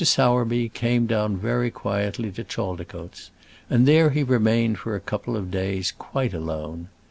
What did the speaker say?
Sowerby came down very quietly to Chaldicotes, and there he remained for a couple of days, quite alone.